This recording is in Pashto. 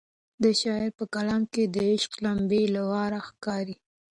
د شاعر په کلام کې د عشق لمبې له ورایه ښکاري.